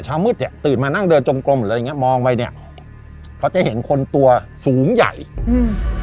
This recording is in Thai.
เช้ามืดเนี้ยตื่นมานั่งเดินจมกลมหรืออะไรอย่างเงี้มองไปเนี้ยเขาจะเห็นคนตัวสูงใหญ่อืม